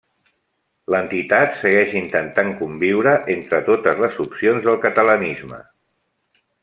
L'entitat segueix intentant conviure entre totes les opcions del catalanisme.